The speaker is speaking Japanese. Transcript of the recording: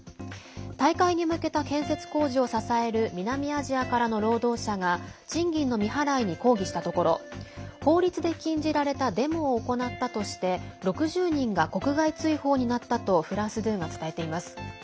大会に向けた建設工事を支える南アジアからの労働者が賃金の未払いに抗議したところ法律で禁じられたデモを行ったとして６０人が国外追放になったとフランス２が伝えています。